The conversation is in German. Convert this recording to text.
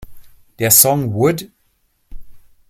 Der Song "Would?